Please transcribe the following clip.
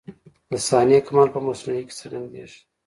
د صانع کمال په مصنوعي کي څرګندېږي.